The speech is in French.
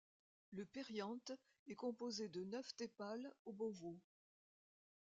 Le périanthe est composé de neuf tépales obovaux.